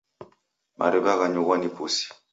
Mariw'a ghanyughwa ni pusi.